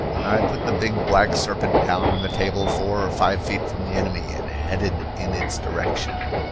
I put the big black serpent down on the table four or five feet from the enemy and headed in its direction.